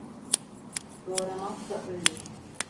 Doğuramazsa ölür.